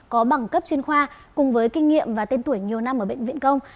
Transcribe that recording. có bằng cấp chuyên khoa cùng với kinh nghiệm và tên tuổi nhiều năm ở bệnh viện công